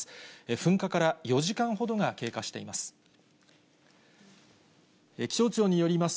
噴火から４時間ほどが経過しています。